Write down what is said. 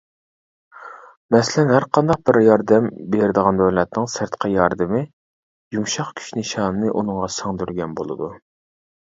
مەسىلەن، ھەر قانداق بىر ياردەم بېرىدىغان دۆلەتنىڭ سىرتقا ياردىمى يۇمشاق كۈچ نىشانىنى ئۇنىڭغا سىڭدۈرگەن بولىدۇ.